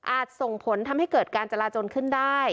ส่งผลทำให้เกิดการจราจนขึ้นได้